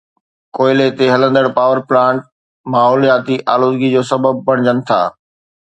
ڪوئلي تي هلندڙ پاور پلانٽس ماحولياتي آلودگي جو سبب بڻجن ٿا